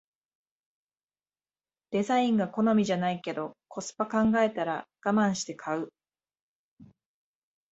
デザインが好みじゃないけどコスパ考えたらガマンして買う